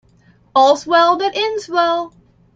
All's well that ends well.